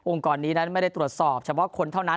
กรนี้นั้นไม่ได้ตรวจสอบเฉพาะคนเท่านั้น